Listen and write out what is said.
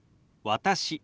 「私」。